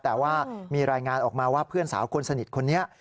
แต่ว่ามีรายงานออกมาว่าเพื่อนสาวคนสนิทคนนี้